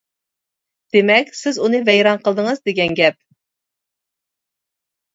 دېمەك سىز ئۇنى ۋەيران قىلدىڭىز دېگەن گەپ.